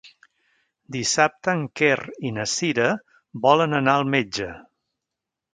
Dissabte en Quer i na Cira volen anar al metge.